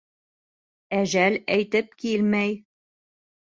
Әжәл әйтеп килмәй.